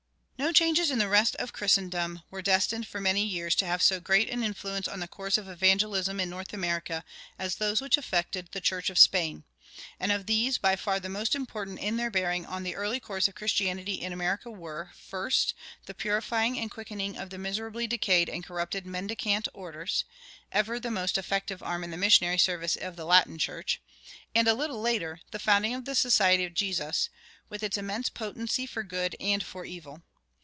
No changes in the rest of Christendom were destined for many years to have so great an influence on the course of evangelization in North America as those which affected the church of Spain; and of these by far the most important in their bearing on the early course of Christianity in America were, first, the purifying and quickening of the miserably decayed and corrupted mendicant orders, ever the most effective arm in the missionary service of the Latin Church, and, a little later, the founding of the Society of Jesus, with its immense potency for good and for evil.